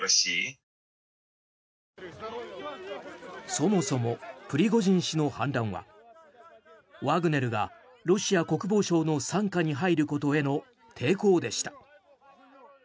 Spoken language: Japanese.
そもそもプリゴジン氏の反乱はワグネルがロシア国防省の傘下に入ることへの抵抗でした。